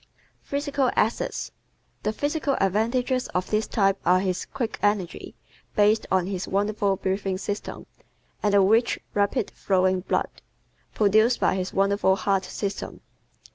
Physical Assets ¶ The physical advantages of this type are his quick energy based on his wonderful breathing system and the rich, rapid flowing blood, produced by his wonderful heart system.